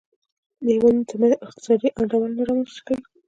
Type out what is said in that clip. د هېوادونو ترمنځ اقتصادي انډول نه رامنځته کوي.